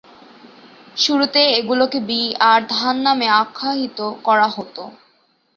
শুরুতে এগুলোকে B R ধান নামে আখ্যায়িত করা হতো।